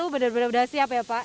bener bener siap ya pak